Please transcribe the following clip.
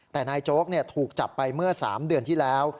แต่นายโจ๊กถูกจับไปเมื่อ๓เดือนที่แล้ว